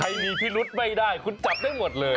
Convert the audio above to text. มีพิรุษไม่ได้คุณจับได้หมดเลย